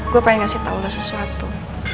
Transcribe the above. gue pengen kasih tau lo sesuatu